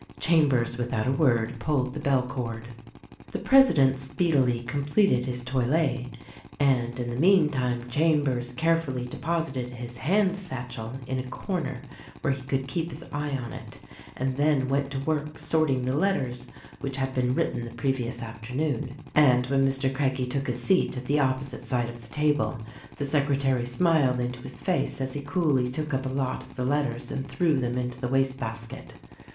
Chambers without a word pulled the bell cord. The president speedily completed his toilet, and in the meantime Chambers carefully deposited his hand satchel in a corner where he could keep his eye on it, and then went to work sorting the letters which had been written the previous afternoon ; and when Mr. Craggie took his seat at the opposite side of the table the secretary smiled into his 144 THE RECORDING ANGEL 145 face as he coolly took up a lot of the letters and threw them into the waste basket.